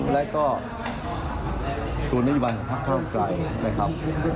แล้วก็ตัวนักยุบัตรของท่าวไก่นะครับ